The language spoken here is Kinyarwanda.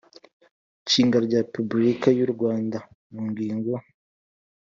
Nshinga rya repubulika y u Rwanda mu ngingo